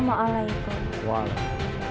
semoga allah senang biasa menempatkan cucuku